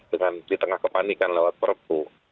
dengan di tengah kepanikan lewat perpu